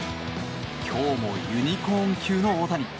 今日もユニコーン級の大谷。